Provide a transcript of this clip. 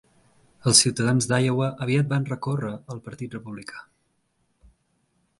Els ciutadans d'Iowa aviat van recórrer al Partit Republicà.